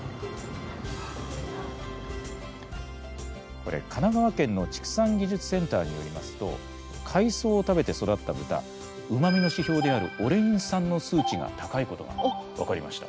これ神奈川県の畜産技術センターによりますと海藻を食べて育った豚うまみの指標であるオレイン酸の数値が高いことが分かりました。